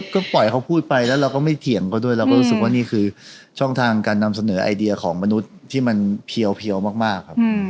ก็ปล่อยเขาพูดไปแล้วเราก็ไม่เถียงเขาด้วยเราก็รู้สึกว่านี่คือช่องทางการนำเสนอไอเดียของมนุษย์ที่มันเพียวมากครับ